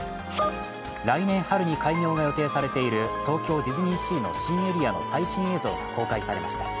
来年春に開業が予定されている東京ディズニーシーの新エリアの最新映像が公開されました。